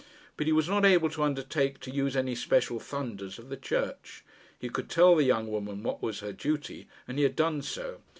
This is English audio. But he was not able to undertake to use any special thunders of the Church. He could tell the young woman what was her duty, and he had done so.